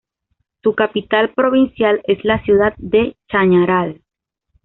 Su capital provincial es la ciudad de Chañaral.